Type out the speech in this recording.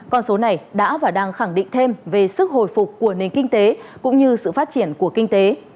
con số này đã và đang khẳng định thêm về sức hồi phục của nền kinh tế cũng như sự phát triển của kinh tế